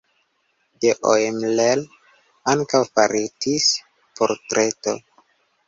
De Oemler ankaŭ faritis portreto.